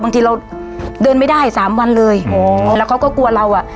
บางทีเราเดินไม่ได้สามวันเลยอ๋อแล้วเขาก็กลัวเราอ่ะ